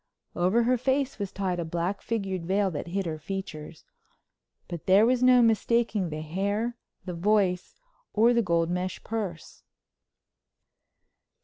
Over her face was tied a black figured veil that hid her features, but there was no mistaking the hair, the voice, or the gold mesh purse.